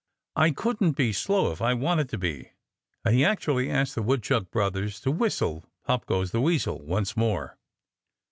"I couldn't be slow if I wanted to be!" And he actually asked the Woodchuck brothers to whistle "Pop! Goes the Weasel" once more.